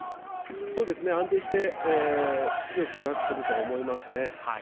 安定して強くなっていると思いますね。